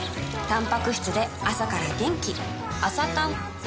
たんぱく質で朝から元気